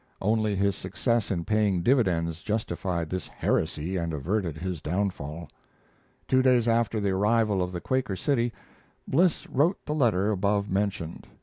Only his success in paying dividends justified this heresy and averted his downfall. Two days after the arrival of the Quaker City Bliss wrote the letter above mentioned.